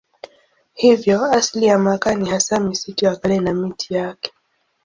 Hivyo asili ya makaa ni hasa misitu ya kale na miti yake.